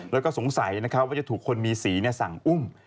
แล้วก็สงสัยนะครับว่าจะถูกคนมีสีสั่งอุ้ม